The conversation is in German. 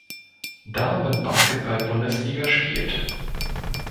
Damen-Basketball-Bundesliga spielt.